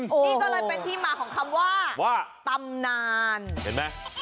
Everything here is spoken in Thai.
นี่ก็เลยเป็นที่มาของคำว่าว่าตำนานเห็นไหม